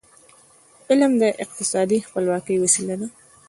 علم د اقتصادي خپلواکی وسیله ده.